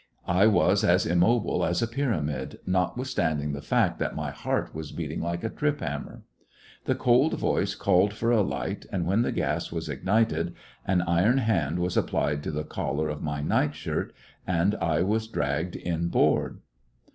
I was as immobile as a pyramid, notwithstanding the fact that my heart was beating like a trip hammer. The cold voice called for a light, and when the gas was ignited, an iron hand was applied to the collar of my nightshirt, and I was dragged inboard.